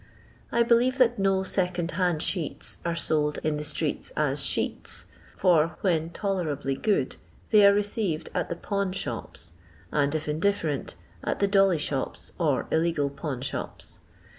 I believe that no tecond liand sheets are sold in the streets as sheets, for when tolerably good they are received at the pawn shops, and if indifferent, at the dolly shops, or illegal pawn shops.